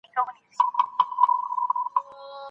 که یو لیکوال مو خوښ نه وي حق یې مه پټوئ.